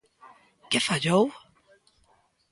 ¿Que fallou?